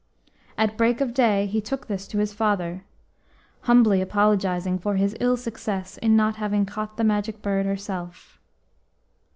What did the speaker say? At break of day he took this to his father, humbly apologising for his ill success in not having caught the Magic Bird herself.